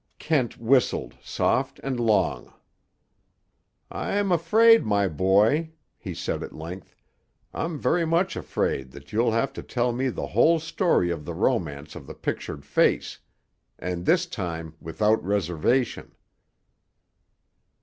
Kent whistled, soft and long. "I'm afraid, my boy," he said at length, "I'm very much afraid that you'll have to tell me the whole story of the romance of the pictured face; and this time without reservation."